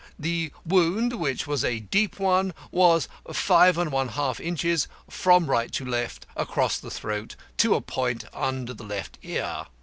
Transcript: The wound, which was a deep one, was five and a half inches from right to left across the throat to a point under the left ear.